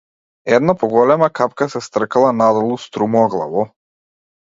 Една поголема капка се стркала надолу струмоглаво.